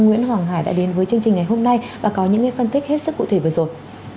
nguyễn hoàng hải đã đến với chương trình ngày hôm nay và có những phân tích hết sức cụ thể vừa rồi